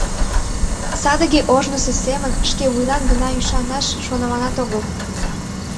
Садыге ожнысо семын шке вийлан гына ӱшанаш шоныманат огыл.